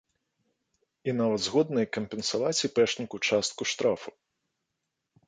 І нават згодныя кампенсаваць іпэшніку частку штрафу.